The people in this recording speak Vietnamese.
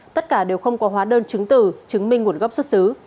tất cả đều không có hóa đơn chứng từ chứng minh nguồn gốc xuất xứ